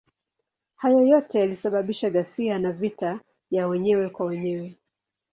Hayo yote yalisababisha ghasia na vita ya wenyewe kwa wenyewe.